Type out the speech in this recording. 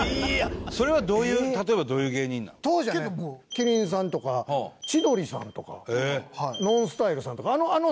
麒麟さんとか千鳥さんとかＮＯＮＳＴＹＬＥさんとか。